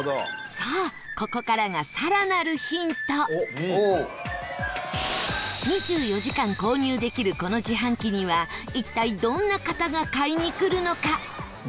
さあ、ここからが更なるヒント２４時間購入できるこの自販機には一体どんな方が買いに来るのか？